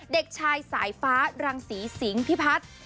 เด็กชายสายฟ้ารังศรีสิงพิพัฒน์